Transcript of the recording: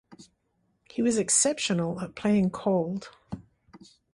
He was exceptional at "playing cold".